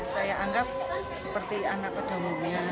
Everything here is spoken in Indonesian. saya anggap seperti anak pada umumnya